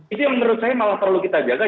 itu yang menurut saya malah perlu kita jaga